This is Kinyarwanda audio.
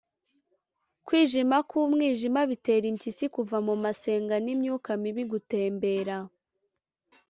kwijima k’umwijima bitera impyisi kuva mu masenga n’imyuka mibi gutembera!